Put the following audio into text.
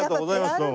どうも。